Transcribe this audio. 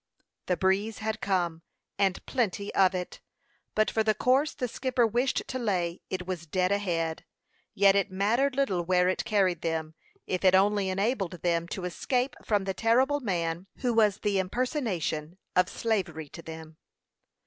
The breeze had come, and plenty of it; but for the course the skipper wished to lay, it was dead ahead; yet it mattered little where it carried them, if it only enabled them to escape from the terrible man who was the impersonation of slavery to them.